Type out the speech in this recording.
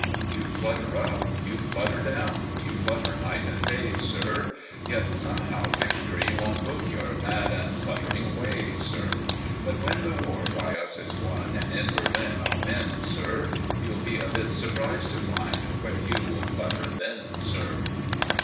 You flutter up, you flutter down, You flutter night and day, Sir, Yet somehow victory won't look Your mad and fluttering way, Sir, But when the war by us is won, And in Berlin our men, Sir, You'll be a bit surprised to find Where you will flutter then, Sir.